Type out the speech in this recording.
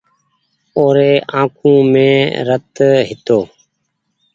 او ري آنکون مين رت هيتو۔